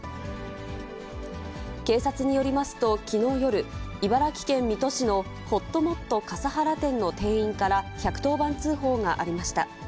警察によりますと、きのう夜、茨城県水戸市のほっともっと笠原店の店員から１１０番通報がありました。